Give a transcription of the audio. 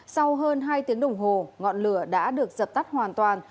sau hơn hai tiếng đồng hồ ngọn lửa đã được dập tắt hoàn toàn